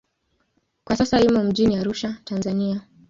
Kwa sasa imo mjini Arusha, Tanzania.